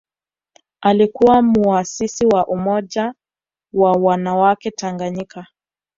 Alikuwa muasisi wa Umoja wa wanawake Tanganyika